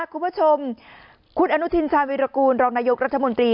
คุณผู้ชมคุณอนุทินชาญวิรากูลรองนายกรัฐมนตรี